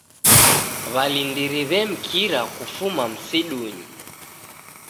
W'alindiri w'emkira kufuma msidunyi.